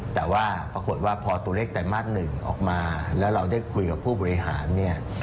แต่ว่าปรากฏว่าพอตัวเลขไตรมาส๑ออกมาแล้วเราได้คุยกับผู้บริหารเนี่ย